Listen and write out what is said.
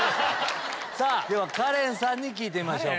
ではカレンさんに聞いてみましょう。